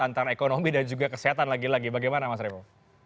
antara ekonomi dan juga kesehatan lagi lagi bagaimana mas revo